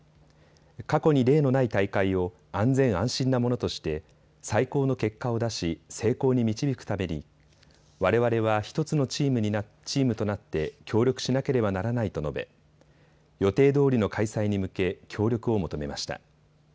過去に例のない大会を安全安心なものとして最高の結果を出し成功に導くためにわれわれは１つのチームとなって協力しなければならないと述べ予定どおりの開催に向け協力を求めました。